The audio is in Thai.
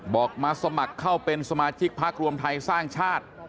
บอกมาสมัครเข้าเป็นสมาชิกพักรวมไทยสร้างชาติ